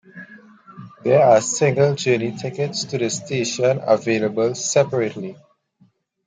There are single journey tickets to the station available separately.